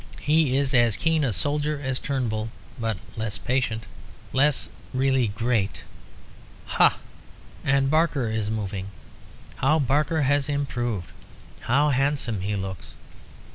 He is as keen a soldier as Turnbull, but less patient less really great. Ha! and Barker is moving. How Barker has improved; how handsome he looks!